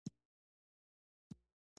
نمک د افغانستان د کلتوري میراث برخه ده.